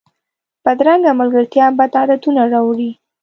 بدرنګه ملګرتیا بد عادتونه راوړي